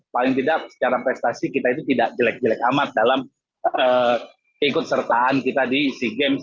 paling tidak secara prestasi kita itu tidak jelek jelek amat dalam keikut sertaan kita di sea games